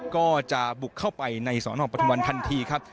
ก็จะบุกเข้าไปในสอนองปฐุมวันทันทีครับ